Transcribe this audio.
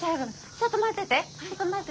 ちょっと待ってて。